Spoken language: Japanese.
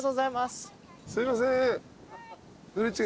すいません。